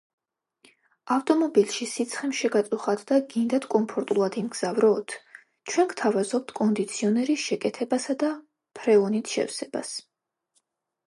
ავტომობილში სიცხემ შეგაწუხათ და გიდნათ კომფორტულად იმგზავროთ? ჩვენ გთავაზობთ კონდიციონერის შეკეთებასა და ფრეონით შევსებას